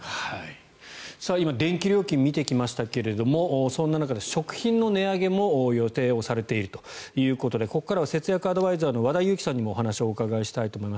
今電気料金を見てきましたがそんな中で、食品の値上げも予定をされているということでここからは節約アドバイザーの和田由貴さんにもお話を伺いたいと思います。